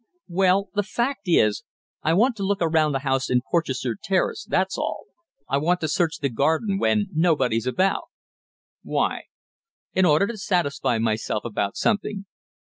"Well, the fact is I want to look around a house in Porchester Terrace, that's all. I want to search the garden when nobody's about." "Why?" "In order to satisfy myself about something."